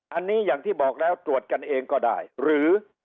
อันนี้อย่างที่บอกแล้วตรวจกันเองก็ได้หรือ